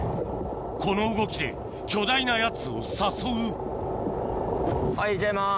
この動きで巨大なやつを誘う入れちゃいます